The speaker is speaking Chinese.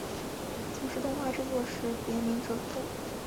从事动画制作时别名哲夫。